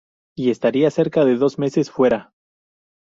Y estaría cerca de dos meses fuera.